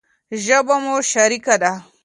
ژبه مو شريکه ده.